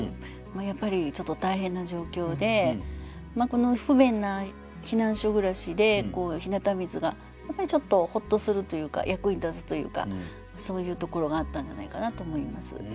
やっぱりちょっと大変な状況でこの不便な避難所暮らしで日向水がやっぱりちょっとホッとするというか役に立つというかそういうところがあったんじゃないかなと思います。